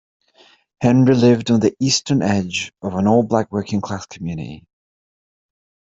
Henry lived on the eastern edge of an all black working class community.